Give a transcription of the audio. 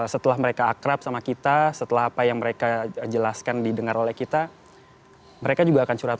setelah mereka akrab sama kita setelah apa yang mereka jelaskan didengar oleh kita mereka juga akan curhat